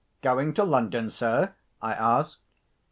"Going to London, sir?" I asked.